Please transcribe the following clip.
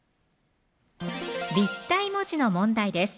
立体文字の問題です